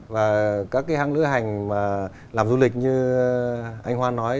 và các cái hãng lưu hành làm du lịch như anh hoan nói